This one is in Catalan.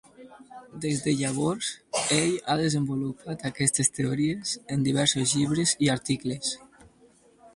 Des de llavors, ell ha desenvolupat aquestes teories en diversos llibres i articles.